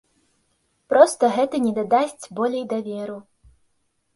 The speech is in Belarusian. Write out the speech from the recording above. Проста гэта не дадасць болей даверу.